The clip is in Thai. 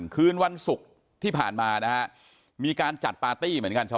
คืนวันศุกร์ที่ผ่านมานะฮะมีการจัดปาร์ตี้เหมือนกันชาว